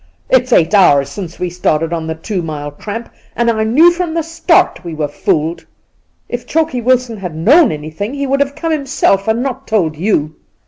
It's eight hours since we started on the " two mile " tramp, and I knew from the start we were fooled. If Choky Wilson had known anything he would have come himself, and not told you.'